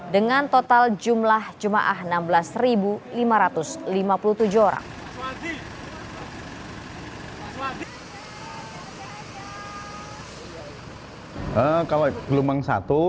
dengan total jumlah jemaah enam belas lima ratus lima puluh tujuh orang